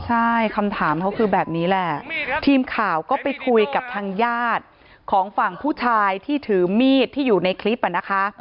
ใช่คำถามเขาคือแบบนี้แหละทีมข่าวก็ไปคุยกับทางญาติของฝั่งผู้ชายที่ถือมีดที่อยู่ในคลิปอ่ะนะคะ